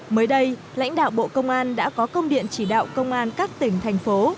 mới đây lãnh đạo bộ công an đã có công điện chỉ đạo công an các tỉnh thành phố